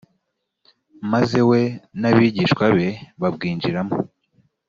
maze we nabigishwa be babwinjiramo .